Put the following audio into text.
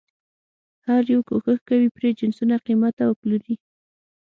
هر یو کوښښ کوي پرې جنسونه قیمته وپلوري.